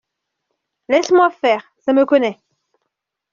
Laissez-moi faire, ça me connaît !